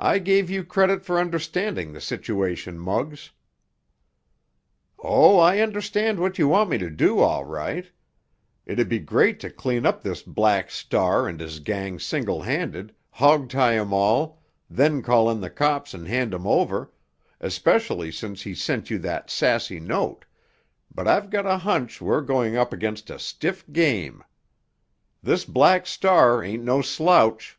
"I gave you credit for understanding the situation, Muggs." "Oh, I understand what you want to do, all right. It'd be great to clean up this Black Star and his gang single handed, hog tie 'em all, then call in the cops and hand 'em over—especially since he sent you that sassy note—but I've got a hunch we're going up against a stiff game. This Black Star ain't no slouch!"